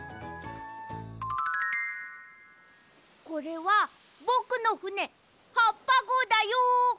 これはぼくのふねはっぱごうだよ！